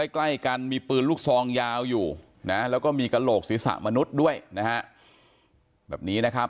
ใกล้กันมีปืนลูกซองยาวอยู่นะแล้วก็มีกระโหลกศีรษะมนุษย์ด้วยนะฮะแบบนี้นะครับ